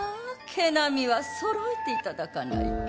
毛並みは揃えていただかないと。